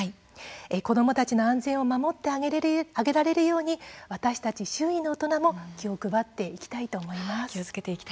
子どもたちの安全を守ってあげられるように私たち周囲の大人も気を配っていきたいと思います。